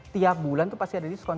tiap bulan itu pasti ada diskon